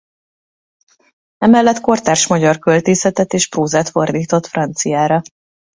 Emellett kortárs magyar költészetet és prózát fordított franciára.